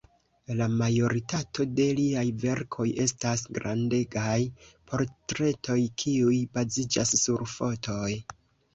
La majoritato de liaj verkoj estas grandegaj portretoj, kiuj baziĝas sur fotoj.